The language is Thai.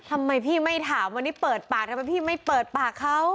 ทำไมพี่ไม่ถามวันนี้เปิดปากทำไมพี่ไม่เปิดปากเขา